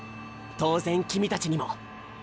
当然君たちにも。